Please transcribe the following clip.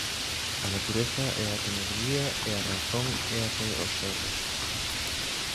A natureza é a que nos guía e a razón é a que observa.